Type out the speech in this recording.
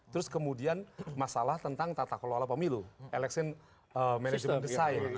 terus kemudian masalah tentang tata kelola pemilu election management design